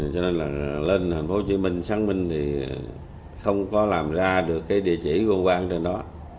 cho nên là lên thành phố hồ chí minh sáng minh thì không có làm ra được cái địa chỉ của quang trên đó